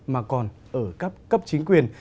mà còn ở các cấp chính quyền